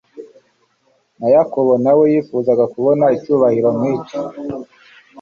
na Yakobo na we yifuzaga kubona icyubahiro nk'icyo.